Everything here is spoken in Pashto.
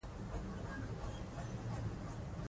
دوی د خپلو ګاونډیانو سره د یووالي او همکارۍ په روحیه کار کوي.